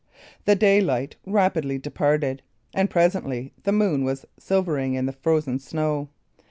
The daylight rapidly departed; and presently the moon was silvering the frozen snow.